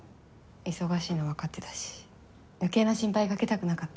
忙しいのわかってたし余計な心配かけたくなかったから。